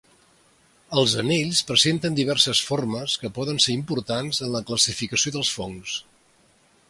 Els anells presenten diverses formes que poden ser importants en la classificació dels fongs.